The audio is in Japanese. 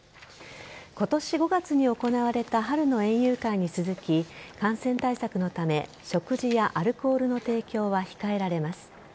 今年５月に行われた春の園遊会に続き感染対策のため食事やアルコールの提供は控えられます。